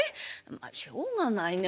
まっしょうがないね